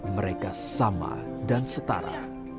mereka sama dan setara